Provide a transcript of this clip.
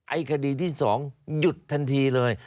ไอ้คดีที่๒หยุดทันทีเลย